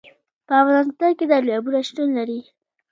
په افغانستان کې دریابونه شتون لري.